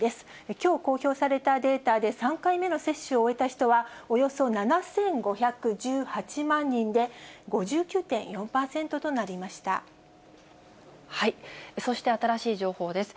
きょう公表されたデータで、３回目の接種を終えた人は、およそ７５１８万人で、５９．４そして新しい情報です。